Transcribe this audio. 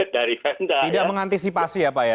dari pemda ya tidak mengantisipasi ya pak ya